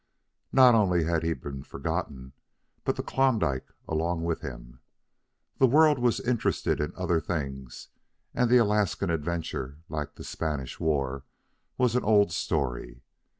Not only had he been forgotten, but the Klondike along with him. The world was interested in other things, and the Alaskan adventure, like the Spanish War, was an old story.